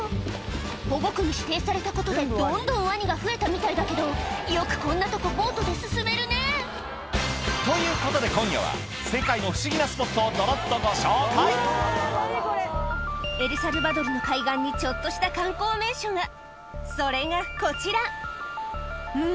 保護区に指定されたことでどんどんワニが増えたみたいだけどよくこんなとこボートで進めるねということで今夜はエルサルバドルの海岸にちょっとした観光名所がそれがこちらん？